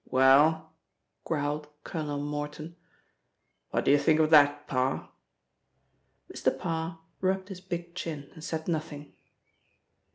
"Well," growled Colonel Morton, "what do you think of that, Parr?" Mr. Parr rubbed his big chin and said nothing.